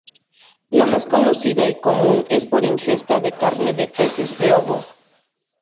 La más conocida y común es por ingesta de carne de peces globo.